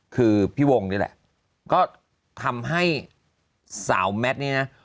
คือพี่วงนี่แหละก็ทำให้สาวแมทนี่นะ